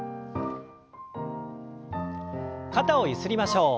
肩をゆすりましょう。